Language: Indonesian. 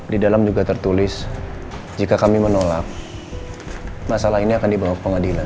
di dalam juga tertulis jika kami menolak masalah ini akan dibawa ke pengadilan